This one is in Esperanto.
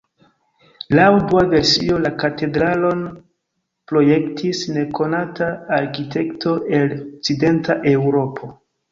Laŭ dua versio la katedralon projektis nekonata arkitekto el Okcidenta Eŭropo.